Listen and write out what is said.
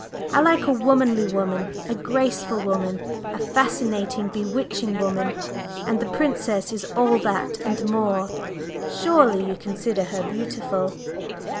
I like a womanly woman, a graceful woman, a fascinating, bewitching woman, and the Princess is all that and more. Surely you consider her beautiful?"